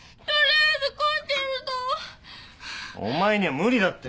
お前には無理だって。